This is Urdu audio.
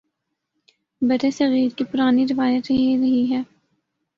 برصغیر کی پرانی روایت یہی رہی ہے۔